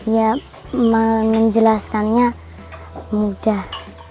ya menjelaskannya mudah